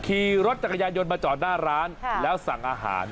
ขี่รถจักรยานยนต์มาจอดหน้าร้านแล้วสั่งอาหาร